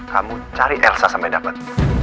kamu cari elsa sampai dapat